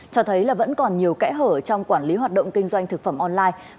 cho thấy là vẫn còn nhiều kẽ hở trong quản lý hoạt động kinh doanh thực phẩm online